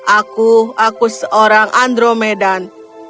aku aku seorang andromedan